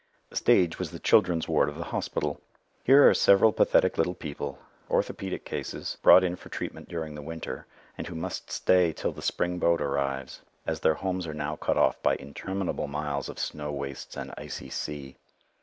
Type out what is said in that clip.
The stage was the children's ward of the hospital. Here are several pathetic little people, orthopedic cases, brought in for treatment during the winter, and who must stay till the spring boat arrives, as their homes are now cut off by interminable miles of snow wastes and icy sea.